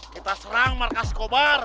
kita serang markas skobar